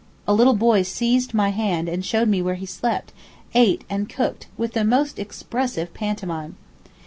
A little boy seized my hand and showed where he slept, ate and cooked with the most expressive pantomime.